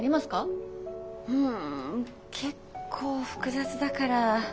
うん結構複雑だから。